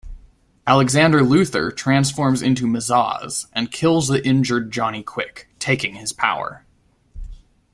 Alexander Luthor transforms into Mazahs and kills the injured Johnny Quick, taking his power.